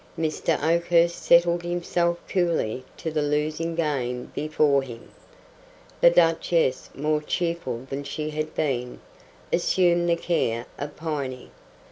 Mr. Oakhurst settled himself coolly to the losing game before him. The Duchess, more cheerful than she had been, assumed the care of Piney.